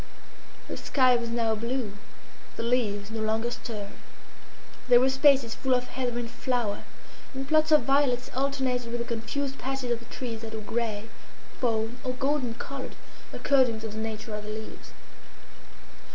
The sky was now blue, the leaves no longer stirred. There were spaces full of heather in flower, and plots of violets alternated with the confused patches of the trees that were grey, fawn, or golden coloured, according to the nature of their leaves.